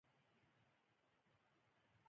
زه به هرو مرو خپله ژمنه تر سره کوم.